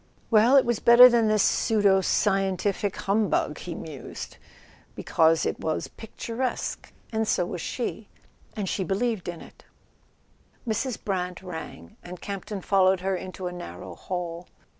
"Well, it was better than this pseudo scientific humbug," he mused, "because it was [ 242 ] A SON AT THE FRONT picturesque — and so was she — and she believed in it." Mrs. Brant rang, and Campton followed her into a narrow hall.